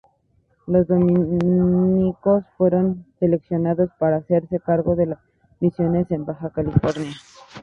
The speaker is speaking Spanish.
Los dominicos fueron seleccionados para hacerse cargo de las misiones en Baja California.